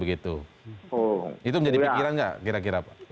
itu menjadi pikiran tidak kira kira